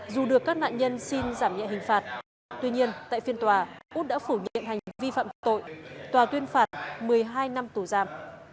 dù được các nạn nhân xin giảm nhẹ hình phạt tuy nhiên tại phiên tòa út đã phủ nhiệm hành vi phạm tội tòa tuyên phạt một mươi hai năm tù giam